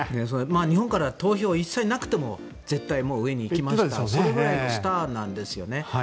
日本から投票が一切なくても絶対に上に行きますからそれぐらいのスターなんですね。